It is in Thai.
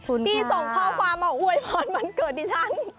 พี่ส่งข้อความมาอวยพรวันเกิดดิฉัน